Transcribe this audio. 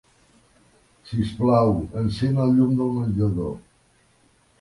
Sisplau, encén el llum del menjador.